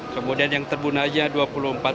kemudian yang terbunanya diberangkatkan